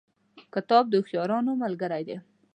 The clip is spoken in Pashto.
کتاب د هوښیارانو ملګری دی.